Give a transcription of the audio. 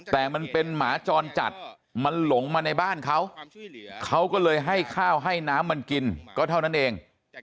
แต่มันเป็นหมาจรจัดมันหลงมาในบ้านเขาเขาก็เลยให้ข้าวให้น้ำมันกินก็เท่านั้นเอง